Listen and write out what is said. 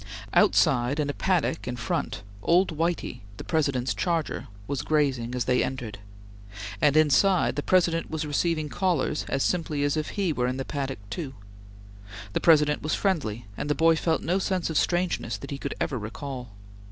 Outside, in a paddock in front, "Old Whitey," the President's charger, was grazing, as they entered; and inside, the President was receiving callers as simply as if he were in the paddock too. The President was friendly, and the boy felt no sense of strangeness that he could ever recall.